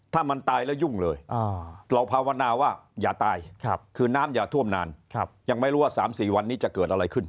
ถ้ามันตายแล้วยุ่งเลยเราภาวนาว่าอย่าตายคือน้ำอย่าท่วมนานยังไม่รู้ว่า๓๔วันนี้จะเกิดอะไรขึ้น